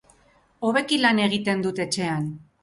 Hobeki lan egiten dut etxean.